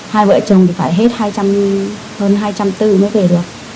hai vợ chồng thì phải hết hơn hai trăm bốn mươi mới về được